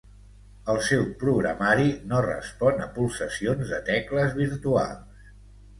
El seu programari no respon a pulsacions de tecles virtuals.